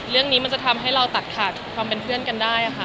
เรื่องนี้มันจะทำให้เราตัดขาดความเป็นเพื่อนกันได้ค่ะ